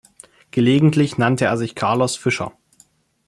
Gelegentlich nannte er sich Carlos Fischer.